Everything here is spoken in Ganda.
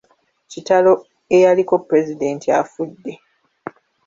Kitalo ayaliko Pulezidenti afudde!